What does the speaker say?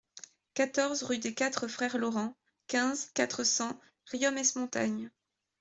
quatorze rue des Quatre Frères Laurent, quinze, quatre cents, Riom-ès-Montagnes